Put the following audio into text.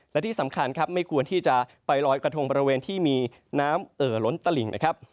และที่สำคัญไม่ควรที่จะไปลอยคอรทงบริเวณที่มีน้ำเอ่อล้นตะหลิง